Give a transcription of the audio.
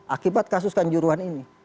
akibat kasus kanjuruhan ini